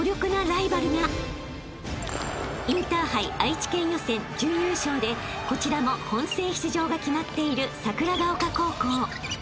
［インターハイ愛知県予選準優勝でこちらも本戦出場が決まっている］